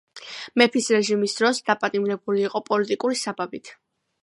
მეფის რეჟიმის დროს დაპატიმრებული იყო პოლიტიკური საბაბით.